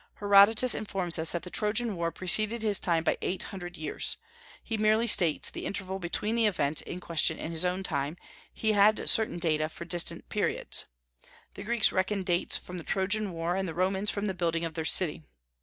Herodotus informs us that the Trojan War preceded his time by eight hundred years: he merely states the interval between the event in question and his own time; he had certain data for distant periods. The Greeks reckoned dates from the Trojan War, and the Romans from the building of their city.